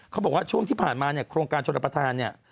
เขาบอกว่าช่วงที่ผ่านมาเนี่ยโครงการชนรับประทานเนี่ย